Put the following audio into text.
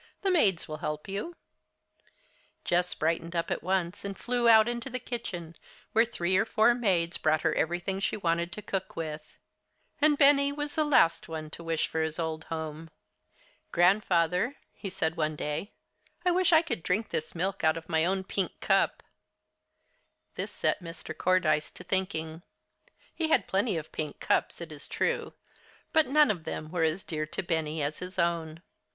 The maids will help you." Jess brightened up at once, and flew out into the kitchen, where three or four maids brought her everything she wanted to cook with. And Benny was the last one to wish for his old home. "Grandfather," he said one day, "I wish I could drink this milk out of my own pink cup!" This set Mr. Cordyce to thinking. He had plenty of pink cups, it is true, but none of them were as dear to Benny as his own.